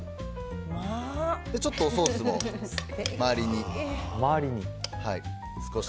ちょっとおソースも周りに、少し。